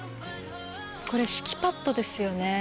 これ敷きパッドですよね。